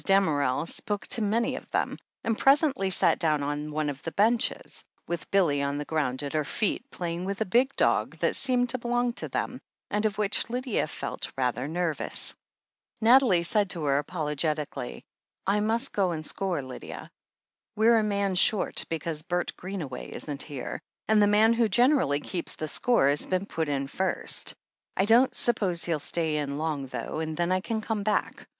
Damerel spoke to many of them, and presently sat down on one of the benches, with Billy on the ground at her feet, playing with a big dog that seemed to belong to them, and of which Lydia felt rather nervous. Nathalie said to her apologetically : "I must go and score, Lydia. We're a man short, because Bert Greenaway isn't here, and the man who generally keeps the score has been put in first. I don't suppose he'll stay in long, though, and then I can come back.